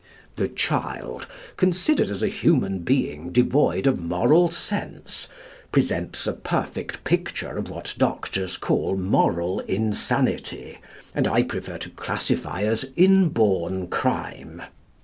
"The child, considered as a human being devoid of moral sense, presents a perfect picture of what doctors call moral insanity, and I prefer to classify as inborn crime" (p.